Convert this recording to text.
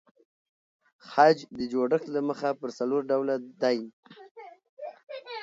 خج د جوړښت له مخه پر څلور ډوله دئ.